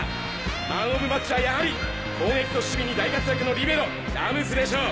マンオブマッチはやはり攻撃と守備に大活躍のリベロ・ラムスでしょう。